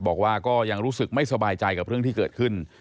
บอกว่าก็ยังรู้สึกไม่สบายใจกับเรื่องที่เกิดขึ้น